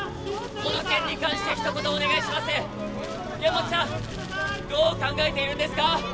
この件に関してひと言お願いします剣持さんどう考えているんですか？